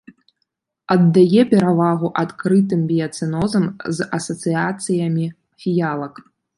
Аддае перавагу адкрытым біяцэнозам з асацыяцыямі фіялак.